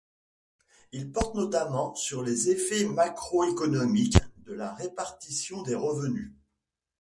Ils portent notamment sur les effets macroéconomiques de la répartition des revenus.